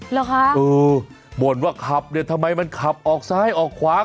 เหรอคะเออบ่นว่าขับเนี่ยทำไมมันขับออกซ้ายออกขวา